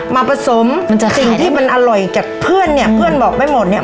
มาผสมสิ่งที่มันอร่อยจากเพื่อนเนี่ยเพื่อนบอกไม่หมดเนี่ย